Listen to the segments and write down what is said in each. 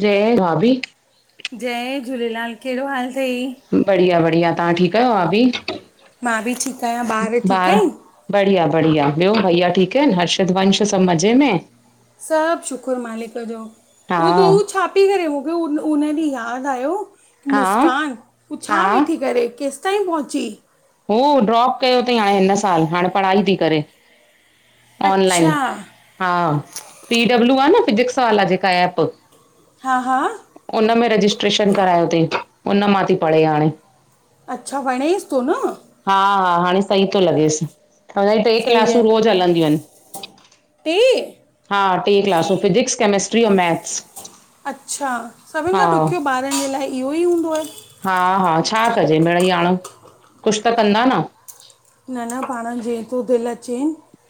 जय भाभी जय झूलेलाल कहिड़ो हालु तई? बढ़िया बढ़िया तां ठीकु आहियो भाभी? मां बि ठीकु आहियां, ॿार ठीकु आहिनि? बढ़िया बढ़िया ॿियो भईया ठीकु आहिनि ह्रषित वंश सभु मज़े में? सभु शुकुर मालिक जो, हा उ बि हू छा छाती करे ॿयो उ उन ॾींहुं यादि आयो कि हा मुस्कान हू छा हा वेठी करे केस हिताईं पहुंची हू ड्रॉप कयो तई हाणे हिन सालु, हाणे पढ़ाई ती करे। ऑनलाइन अच्छा हा पी डब्लू आ न फिजिक्स वाला जेका ऐ एप हा हा उन में रजिस्ट्रेशन करायो तई उन मां ती पढ़े हाणे। अच्छा वणेस तो न हा हा हाणे सही तो लॻेस त हुनजी टे सही क्लासूं आहे रोज़ हलंदियूं आहिन। टे हा टे क्लासूं फिज़िक्स केमेस्ट्री ऐं मैथ्स। अच्छा सभिन खां हा ॾुखियो ॿारनि जे लाए इहो ई हूंदो आ। हा हा छा कजे मिड़ई हाणे कुछ त कंदा न। न न पाण जीअं तूं दिल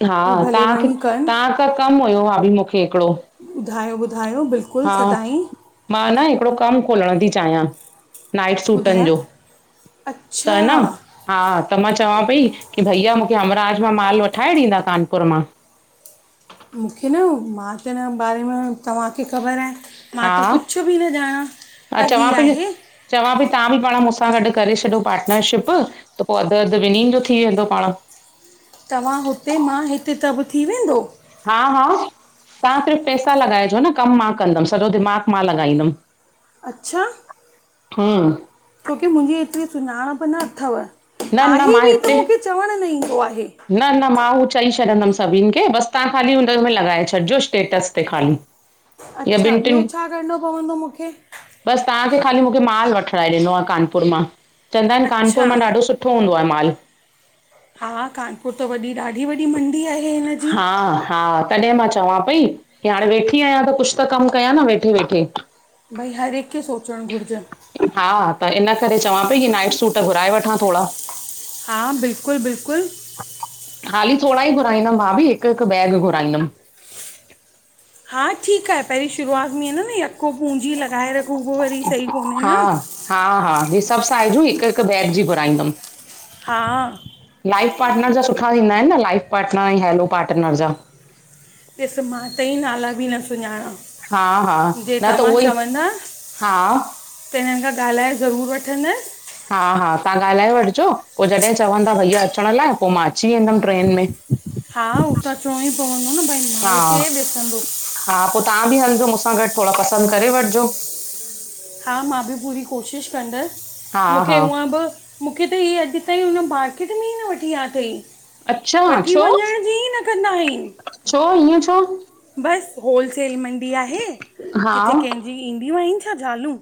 हा तव्हांखे तव्हां खां कम हुयो भाभी मूंखे हिकड़ो। ॿुधायो ॿुधायो बिल्कुल सदाई मां न हिकड़ो कम खोलण थी चायां। नाईट सूटन ॿुधायो जो अच्छा त न हा त मां चवां पई की भईया मूंखे हमराज मां माल वठाए ॾींदा कानपुर मां? मूंखे न मां त हिन बारे में तव्हांखे ख़बर आहे मां हा त कुछ बि न ॼाणा हा पर ही चवां पई आहे चवां पई तव्हां बि पाण मूंसां गॾ करे छॾयो पार्टनरशिप त पो अध अध ॿिनिन जो थी वेंदो पाण तव्हां हुते मां हिते त ब थी वेंदो? हा हा तव्हां सिर्फ़ पैसा लॻाइजो न, कम मां कंदम सॼो दिमाग़ लॻाईंदम। अच्छा हम्म छोकी मुंहिंजी एतरी सुञाणप न अथव न न आहे मां बि त हिते मूंखे चवण न ईंदो आहे। न न मां हू चई छॾंदम सभिन खे बस तव्हां ख़ाली हुन में लॻाए छॾिजो स्टेटस ते ख़ाली। या अच्छा ॿियो छा करणो पवंदो मूंखे? बस तव्हांखे ख़ाली मूंखे माल वठणाए ॾेनो आहे कानपुर मां। चअंदा आहिन अच्छा कानपुर मां ॾाढो सुठो हूंदो आहे माल। हा हा कानपुर त वॾी ॾाढी वॾी मंडी आहे हिनजी। हा हा तॾे मां चवां पई की हाणे वेठी आहियां त कुछ त कम कया न वेठे वेठे। भई हर हिक खे सोचण घुरजन। हा त इन करे चवां पई की नाइट सूट घुराए वठां थोड़ा। हा बिल्कुल बिल्कुल। हाली थोड़ा ई घुराईंदम भाभी हिक हिक बैग घुराईंदम। हा ठीक आहे पहरीं शुरूआत में आहे न न यको पूंजी लॻाए रखूं उ वरी सही कोन्हे हा न। हा हा ही सभ साइजूं हिक हिक बैग जी घुराईंदुम। हा लाइफ पार्टनर जा सुठा थींदा आहिन न लाइफ पार्टनर ऐं हैलो पार्टनर जा? ॾिस मां त ई नाला बि न सुञाणा। हा हा जे न त तव्हां उहोई चवंदा हा। त हिनन खां ॻाल्हाए ज़रूर वठंदस। हा हा तव्हां ॻाल्हाए वठजो पो जॾे चवंदा भईया अचण लाइ पोए पो मां अची वेंदम ट्रेन में। हा हू त अ चवणो ई पवंदो न भई हा माल खे ॾिसंदो। हा पो तव्हां बि हलजो मूंसां गॾ थोड़ा पसंद करे वठजो। हा मां बि पूरी कोशिशि हा कंदसि, मूंखे हा ऊअं बि मूंखे त हीअ अॼु ताईं हुन मार्केट में ई न वठी या तई, अच्छा वठी छो वञण जी ई न कंदा आहिनि। छो ईअं छो बसि होलसेल मंडी आहे, हा किथे कंहिंजी ईंदियूं आहिनि छा ज़ालूं?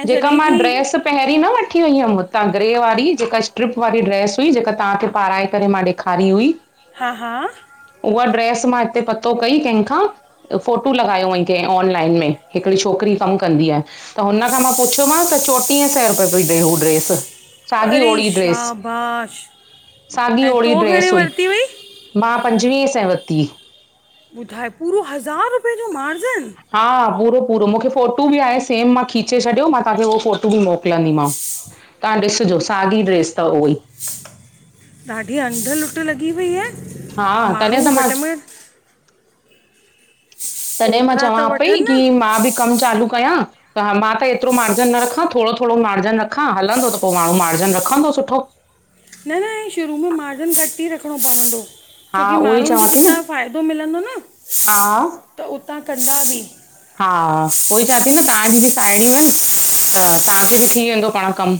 ऐं जेका जॾहिं मां की ड्रेस पहिरीं न वठी वई हुयमि हुतां ग्रे वारी जेका स्ट्रिप वारी ड्रेस हुई जेका तव्हांखे पाराए करे मां ॾेख खारी हुई, हा- हा। उहा ड्रेस मां हिते पतो कई कंहिंखां, त फोटू लॻायो हईं कें ऑनलाइन में हिकिड़ी छोकिरी कमु कंदी आहे, त हुन खांं मां पुछियोमांसि त चोटीहें सैं रुपए पई ॾे हू ड्रेस। साॻी अरे ओड़ी ड्रेस, शाबाश साॻी ऐं ओड़ी तो घणे ड्रेस हुई। वरिती मां पंजवीह सैं वती। ॿुधाए पूरो हज़ार रुपए जो मार्जन, हा, पूरो- पूरो मूंखे फोटू बि आहे सेम मां खीचे छॾियो, मां तव्हांखे उहो फोटू बि मोकलंदीमांव। तां ॾिसजो साॻी ड्रेस तव उहोई। ॾाढी अंध लुट लॻी पई आहे, हा तॾहिं माण्हू त मां घटि में तॾहिं मां ओतिरा त चवां पई वठनि की न मां बि कम चालू कयां, त मां त एतिरो मार्जन न रखां थोड़ो थोड़ो मार्जन रखां, हलंदो त पो माण्हू मार्जन रखंदो सुठो। न -न शुरू में मार्जन घटि ई रखिणो पवंदो। हा छोकी उहो ई माण्हुनि खे चवां थी न जितां फ़ाइदो मिलंदो न हा त उतां कंदा बि, हा, उहोई चां ती न तव्हांजी बि साहेड़ियूंइनि, त तांखे बि थी वेंदो पाण कमु।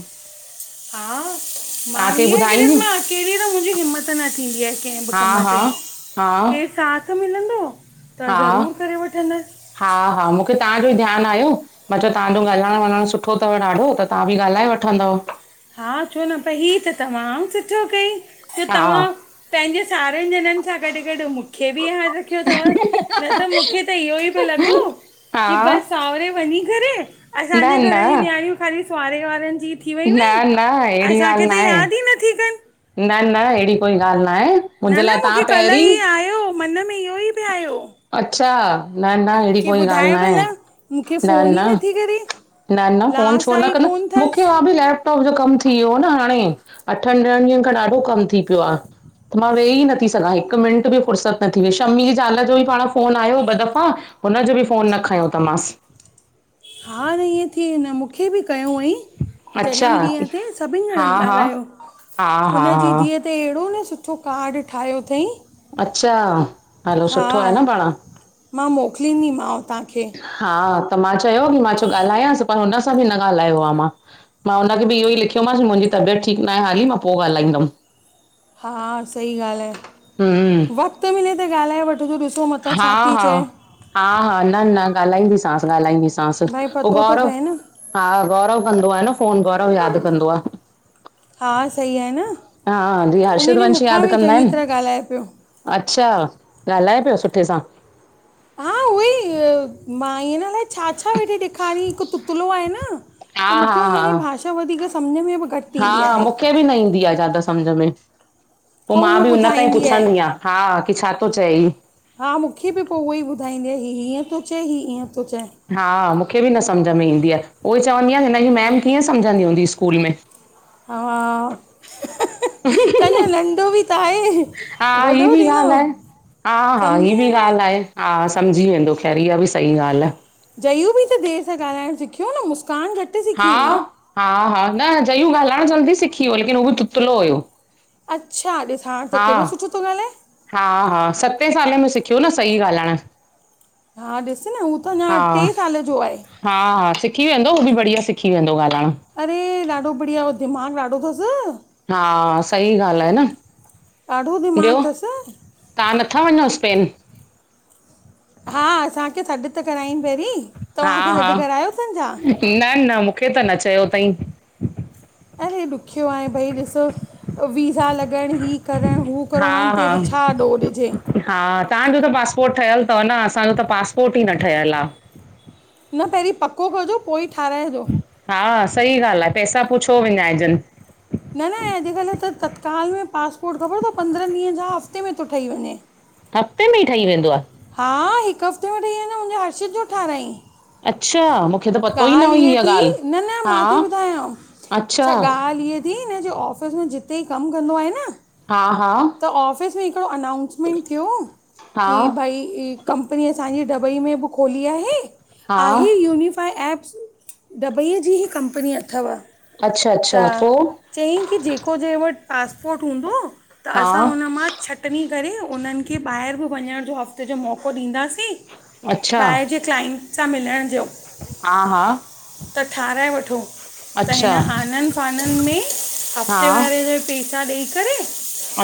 हा। मां तव्हांखे हीअं की ॾिस ॿुधाईंदियूं मां अकेली त मुंहिंजी हिम्मत न थींदी आहे कंहिं बि हा कम हा ते, हा केरु साथ मिलंदो त हा ज़रूरु करे वठंदसि, हा -हा, मूंखे तांजो ई ध्यानु आयो मां चयो तांजो ॻाल्हाइण -वलाइणु सुठोतव ॾाढो त, तां बि ॻाल्हाए वठंदव। हा, छो न पर ही त तमाम सुठो कई त हा तव्हा पंहिंजे सावरनि ॼणनि सां गॾु -गॾु मूंखे बि यादि रखियो तव? न त मूंखे त इहो ई पे लॻो हा की बसि सावरे वञी करे, न असांजे न घर जी न्याणियूं ख़ाली सावरे वारनि जी थी वयूं न आईन। न अहिड़ी ॻाल्हि नाहे, कनि न- न एहिड़ी कोई ॻाल्हि नाए। न -न मूंखे कल्ह ई आयो, मन में इहो ई बि आयो, अच्छा न- न अहिड़ी की कोई ॻाल्हि ॿुधाए नाहे, भला मूंखे न फ़ोन ई -न नथी करे न -न फोन लास छो न आई कोन कंदमि मूंखे अथसि भाभी लैप लैपटॉप जो कमु थी वियो ओ न हाणे, अठनि ॾहनि ॾींहनि खां ॾाढो कमु थी पियो आ। त मां वेही ई नथी सघां हिकु मिंट बि, फुर्सत न थीई शम्मी जे जाल जो बि पाण फोन आहियो ॿ दफ़ा हुनजो बि फ़ोन न खयों त मांसि। हा न इएंं थी व न मूंखे बि कयों हुअईं, अच्छा जनम ॾींहं ते सभिननि हा ॼणनि हा ॻाल्हायो, हा हा हुन जी हा धीअ त एड़ो न सुठो कार्ड ठाहियो तईं अच्छा हलो हा, सुठो आहे न पाण मां मोकिलिंदी मांव तांखे। हा, त मां चयो की मां चो ॻाल्हायांसि, पर हुन खां बि न ॻाल्हायो आ मां, मां हुनखे बि इहो ई लिखियोमांसि मुंहिंजी तबियत ठीकु नाहे हाली, मां पो ॻाल्हाईंदमि। हा, सही ॻाल्ह आए। हूं वक़्त मिले त ॻाल्हाए वठ ॾिसो मतां हा छा थी हा, चए हा हा, न न, ॻाल्हाईंदीसांस, ॻाल्हाईंदीस भई पो पतो त गौरव पए न हा, गौरव कंदो आए न फोन, गौरव याद कंदो आ। हा, सही आहे न। हा, जींएं उन हर्षित, ॾींहुं वंश मूंखां याद बि कंदा चङी एन। तरह ॻाल्हाए पियो अच्छा, ॻाल्हाए प्यो सुठे सां‌। हा, उअई मांईअ न, अलाइ छा छा वेठे ॾेखारयंई हिक तुतलो आए न त हा हा मुखे हा हुनजी भाषा, वधीक सम्झ में बि घट ईंदी हा आहे। मूंखे बि न ईंदी आ जादा सम्झ में, पो पोइ मां हू बि हुन खांई ॿुधाईंदी आहे पुछंदी आं। हा, की छाथो चै ही? हा मुखे बि पो उअई ॿुधाईंदीआ, ही हीअं थो चै ही ईंअं थो चै। हा, मूंखे बि न सम्झ में ईंदी आ, उहोई चवंदी आं, हिनजी मैम कीअं सम्झंदी हूंदी स्कूल में? हा, त अञा नंढ़ो बि त आहे हा, ही वॾो बि थींदो ॻाल्ह आहे, हा हा, ही सम्झी बि वेंदो ॻाल्ह आहे। हा, सम्झी वेंदो, ख़ैर इहा बि सही ॻाल्ह आ। जयू बि त देर सां ॻाल्हाइण सिख्यो न, मुस्कान झट हा, हा हा, न जयू ॻाल्हाइण जल्दी सिखी व्यो हो, लेकिन उहो बि तुतलो हुयो। अच्छा, ॾेिस हांण त हा केॾो सुठो तो ॻाल्हाए। हा हा, सतें सालें में सिखयो न, सही ॻाल्हाइण। हा, ॾिस न, हू त अञा हा टे साल जो आहे। हा हा, सिखी वेंदो, हू बि बढ़िया सिखी वेंदो ॻाल्हाइण। अरे! ॾाढो बढ़िया, हो दिमाग़ु ॾाढो थसि। हा, सही ॻाल्ह आए न। डाढो दिमाग थस। तां नथा वञो स्पेन? हा, असांखे सॾ त कराईंन पैरीं, हा तव्हांखे सॾ हा करायो थन छा? न न, मूंखे त न चयो तई। अरे! ॾुख्यो आहे, भई ॾिसो वीज़ा लॻण ही करण, हू करण, हा उन्हन ते हा बि छा ॾोह ॾिजे। हा, तहांजो त पासपोर्ट ठयल तव न, असांजो त पासपोर्ट ई न ठयल आ। न पहिरीं पको कजो, पोइ ई ठायराइजो। हा, सही ॻाल्ह आहे, पैसा पो छो विञाइजन। न न, अॼकल त तत्काल में पासपोर्ट, खबर थव पंद्रहंन ॾींहन जा हफ़्ते में थो ठही वञे। हफ़्ते में ई ठई वेंदो आ? हा, हिक हफ़्ते में ठई वेंदो, मुंजे हर्षीत जो ठारायईं। अच्छा मूंखे त पतो ई न ॻाल्ह हुई हीय इहा थी, ॻाल्हि न न मां थी हा ॿुधायांव। अच्छा छा ॻाल्ह इएं थी, हिन जे ऑफ़िस में जिते ही कम कंदो आहे न हा हा त, ऑफिस में हिकड़ो अनाउंसमेंट थियो हो, हा की भई कम्पनी असांजे डबईअ में बि खोली आहे, हा आहे यूनीफा पर एप्स, डबईअ जी ही कंपनी अथव, अच्छा त अच्छा पोइ चयईं की जेको जंहिं वट पासपोर्ट हूंदो, त हा असां हुन मां छ टनी करे उन्हन खे ॿाहिर बि वञण जो हफ़्ते जो मौको ॾींदासीं, ॿाहिर जे अच्छा ॿाएर जे क्लाइंट सां मिलण जो। हा हा त ठाहराए वठो त अच्छा हिन आनंन फानन में हा हफ़्ते वारे जे पैसा ॾेई करे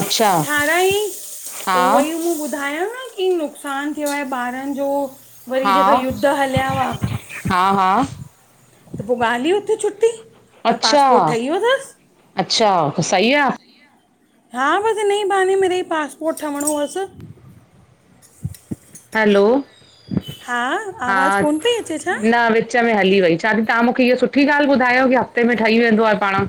अच्छा ठहिरायंइं हा पो उह ई मूं ॿुधायांस कि नुक़सान थियो आहे ॿारनि जो वरी हा जेको युद्ध हलिया हुआ हा हा त पो ॻाल इ हुते छुट्टी। पर अच्छा पासपोर्ट ठही वियो थस। अच्छा त सही आहे हा बस हिन ई बहाने मिढइ पासपोर्ट ठहिणो हुअस। हैलो हा आवाज़ु हा, कोन पई अचे छा न वि विच में हली वई, चएती तहां मूंखे इह सुठी ॻाल्हि ॿुधायो कि हफ़्ते में ठही वेंदो आ पाण।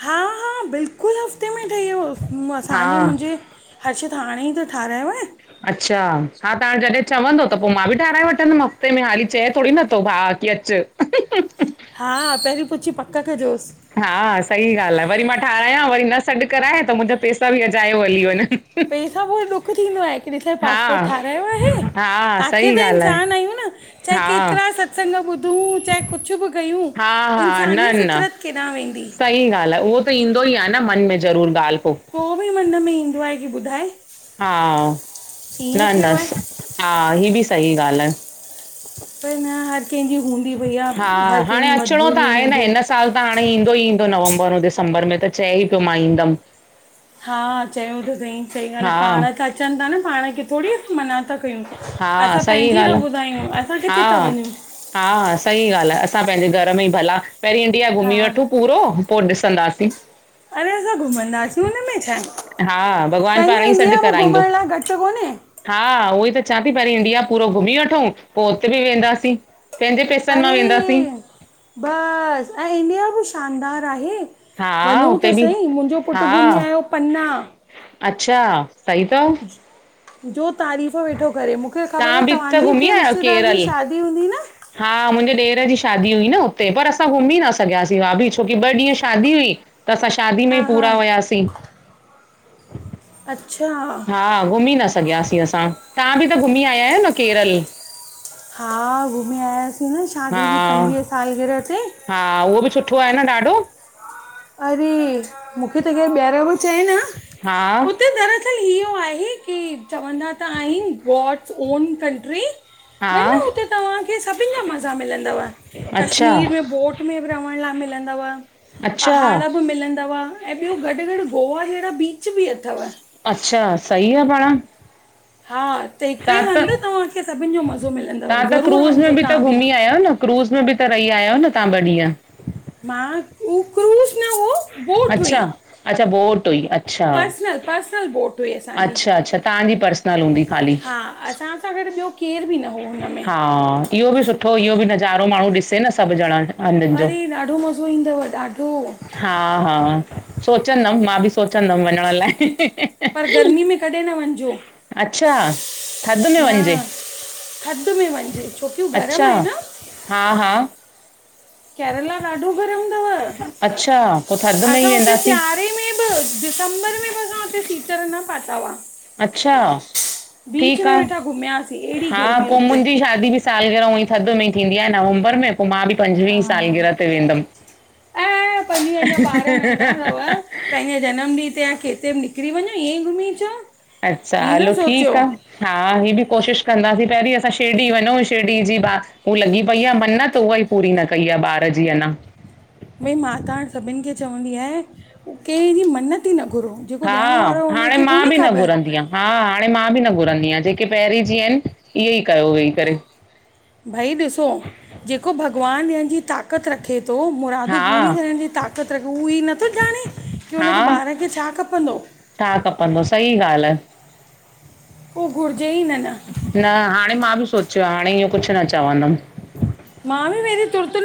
हा हा बिल्कुल हफ़्ते में ठही वियोसि हा असांजे- मुंहिंजे हर्षत हाणे ई त ठारायो आहे। अच्छा, हा त हाणे जॾहिं चवंदो त पो मां बि ठाराय वठंदमि हफ़्ते में, हाली चए थोड़ी नथो भाउ कि अच। च [unintelligible] हा, पहिरीं पुछी पक कजोस। हा सही ॻाल्हि आहे, वरी मां ठारांया, वरी न सॾु कराए त मुंहिंजा पैसा बि अजायो हली वञंन। इ सभु [inaudible] दुख थींदो आहे कि डिस पासपोर्ट ठारायो आहे, हा आख़िर सही त ॻाल्हि इंसान आहे आहियूं न। चाहे हा केतिरा सत्संग ॿुधूं, चाहे कुझ ब कयूं हा हा न इंसानी न फितरत केॾांहुं वेंदी सही ॻाल्हि आ, उहो त ईंदो ई आहे न मन में ज़रूर ॻाल्हि पो। पो बि मन में ईंदो आहे कि ॿुधाए! हा, ईअं न थियो -न, आहे हा ही बि सही ॻाल्हि आहे। पर न हर कंहिंजी हूंदी भईया, हा हर हाणे कंहिंजी अचिणो त मजबूरियू आहे न हूंदियूं। हिन साल त हाणे ईंदो ही ईंदो नवंबर ऐं दिसंबर में त चए ई पियो मां इदमि। हा चयो त संई, सही ॻाल्हि आहे, हा पाण त अचन था न, पाण खे थोड़ी असीं मना था कयूं। हा असां सही पंहिंजी था ॻाल्हि आहे ॿुधायूं, असां किथे था हा वञूं? हा सही ॻाल्हि आ, असां पंहिंजे घर में ई भला, पहरीं इंडिया हा घुमी वठूं पूरो पो ॾिसंदासीं। अरे असां घुमंदासीं, हुन में छाए। हा भॻवानु पाण पंहिंजो ई सॾु इंडिया बि कराईंदो घुमण लाइ घट कोन्हे। हा उहोई त चां थी, पहिरीं इंडिया पूरो घुमी वठूं, पो उते बि वेंदासीं पंहिंजे पैसे मां वेंदासीं। बस, ऐं इंडिया बि शानदार आहे। हा वञूं हुते त बि सही, मुंहिंजो पुट हा घुमी आयो पन्ना। अच्छा! सही थव। [inaudible] जो तारीफ़ वेठो करे, मूंखे ख़बर आ तव्हां बि त तव्हांजी घुमी के आया आहियो रिश्तेदार जी केरल शादी हूंदी न हा मुंहिंजे ॾेर जी शादी हुई न हुते, पर असां घुमी न सघियासीं भाभी, छोकी ॿ ॾींहं शादी हुई त असां शादी में ई हा हा पूरा हुयासीं। अच्छा! हा घुमी न सघियासीं असां, तहां बि त घुमी आया आहियो न केरल? हा घुमी आयासीं न हा शादीअ जी पंजुवीह साल गिरह ते। हा उहो बि सुठो आहे न ॾाढो? अरे मूंखे त केर ॿीहर बी चवे न हा उते दर असल इहो आहे की चवंदा त आहिन गॉड्स ओन कंट्री हा पर न हुते तव्हांखे सभिन जा मज़ा मिलंदव। अच्छा कश्मीर में बोट में बी रवंण लाइ मिलंदव। अच्छा पहाड़ बी मिलंदव ऐं ॿियो गॾु गॾु गोवा जहिड़ा बीच बी अथव। अछा सही आह पाण। हा त हिकु ई तव्हां त हंध तव्हांखे सभिन जो मज़ो मिलंदव, तव्हां त ज़रूर क्रूज़ वञिजो में बि त तहां बी घुमी आया आहियो न क्रूज़ में बी त रही आहियां न तहां ॿ ॾींहं? मां, उह क्रूज़ न हो। अछा, अछा बोट हुई अछा, पर्सनल पर्सनल बोट हुई असांजी अछा अछा तहांजी पर्सनल हूंदी ख़ाली। हा असां सां गॾु ॿियो केर बी न हो हुन में हा इहो बी सुठो इहो बी नज़ारो माण्हू ॾिसे न सभ ॼणा हंधनि जो अरे ॾाढो मज़ो इंदव ॾाढो। हा हा, सोचंदम मां बी सोचंदम वञण लाइ। पर गर्मी में कॾहिं न वञजो। अछा, थध में वञिजे? थध में वञिजे छोकी हू गरम अच्छा आहे न। हा हा केरला ॾाढो गरम थव, अच्छा पोइ थधि में ई असां हुते वेंदासीं सियारे दिसंबर में भी असां हुते सीटर न पाता हुआ। अछा बीच ठीक में आह। वेठा घुमियासीं अहिड़ी हा गर्मी पोइ हुते मुंहिंजी शादी बी सालगिरह उवईं थध में थींदी आह नवंबर में पोइ मां बी पंजवीह हा सालगिरह ते वेंदम। ऐं पंहिंजी ही अञा ही ॿार ही नंढा अथव ही पंहिंजे जनम ॾींहुं ते या केते बी निकरी वञो ईअं ई घुमी अचो। अछा हीअ हलो न ठीक सोचियो आह। हा हीअ बी कोशिश कंदासीं। पहिरीं असां शिरडी वञूं शिरडी जी बार हूअ लॻी पई आह मन्नत, उहा ई पूरी न कई आह ॿार जी अञा। भई मात हांणे सभिन खे चवंदी आहियां, कंहिंजी मन्नत मन्नत कॾी न घुरो जेको ॾियण वारो हो हुनखे कोन्हे ख़बर। हां हाणे मां बी न घुरंदी आहियां, जेके पहिरीं जी आहिन इहे ई कयो वेही करे। भाई ॾिसो, जेको भॻवान ॾियन जी ताक़त ताक़त रखे थो, मुरादूं हा पूरी करण जी ताक़त रखे, उह ई नथो ॼाणे की हा हुनजे ॿार खे छा खपंदो। छा खपंदो सही ॻाल्ह आहे। पोइ घुरजे ई न न। न हाणे मां बी सोचियो आह, हाणे इह कुछ न चवंदम। मां बी वरी तुर तुर